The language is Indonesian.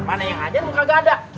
mana yang hajatan kok kagak ada